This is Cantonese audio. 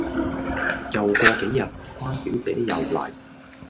又過幾日，關小姐又黎